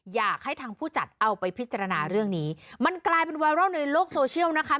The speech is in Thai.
อยากให้ทางผู้จัดเอาไปพิจารณาเรื่องนี้มันกลายเป็นไวรัลในโลกโซเชียลนะคะ